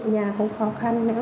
nhà cũng khó khăn